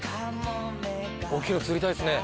大きいの釣りたいですね。